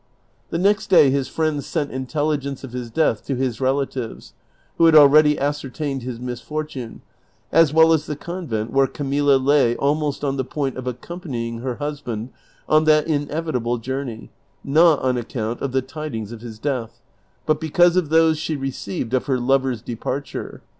The next day his friend sent intelligence of his death to his relatives, who had already ascertained his misfortune, as well as the convent where Camilla lay almost on the point of accompanying her husband on that inevitable journey, not on account of tlie tidings of his death, but because of those she received of her lover's departure.